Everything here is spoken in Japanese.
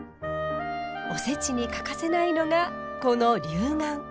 おせちに欠かせないのがこの龍眼。